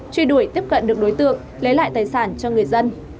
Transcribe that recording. truy đuổi tiếp cận được đối tượng lấy lại tài sản cho người dân